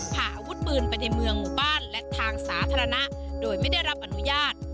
พาอาวุธปืนไปในเมืองหมู่บ้านและทางสาธารณะโดยไม่ได้รับอนุญาต